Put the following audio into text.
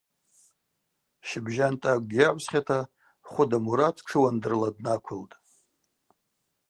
Щыбжьан тӏакӏвгьи йагӏвсхьата Хвыда Мурат тшыуандырла днаквылтӏ.